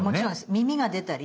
耳が出たり。